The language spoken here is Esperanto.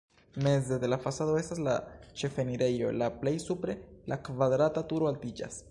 Meze de la fasado estas la ĉefenirejo, la plej supre la kvadrata turo altiĝas.